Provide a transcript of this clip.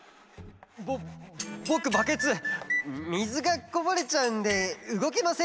ぼぼくバケツみずがこぼれちゃうんでうごけません。